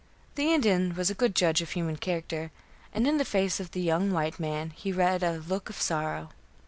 The Indian was a good judge of human character, and in the face of the young white man he read a look of sorrow.